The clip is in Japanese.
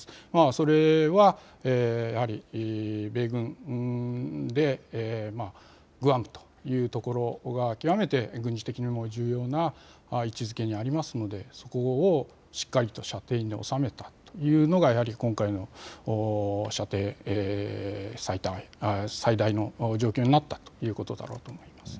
それはやはり米軍で、グアムというところが軍事的にも重要な位置づけにありますのでそこをしっかりと射程に収めたというのが、今回の射程、最大の状況になったということだと思います。